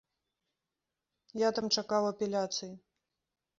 Я там чакаў апеляцыі.